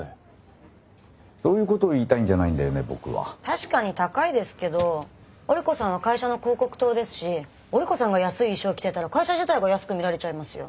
確かに高いですけど織子さんは会社の広告塔ですし織子さんが安い衣装着てたら会社自体が安く見られちゃいますよ。